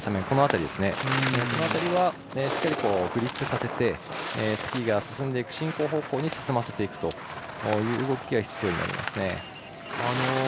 この辺りはしっかりグリップさせスキーが進んでいく進行方向に進ませていくという動きが必要になります。